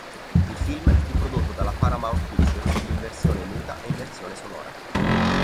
Il film fu prodotto dalla Paramount Pictures, in versione muta e in versione sonora.